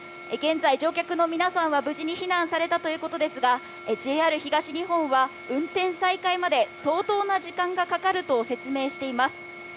現在、乗客の皆さんは無事に避難されたということですが、ＪＲ東日本は運転再開まで相当な時間がかかると説明しています。